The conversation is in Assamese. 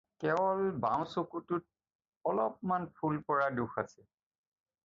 কেৱল বাঁও চকুটোত অলপমান ফুল পৰা দোষ আছে।